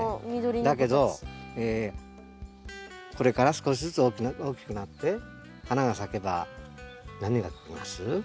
だけどこれから少しずつ大きくなって花が咲けば何が来ます？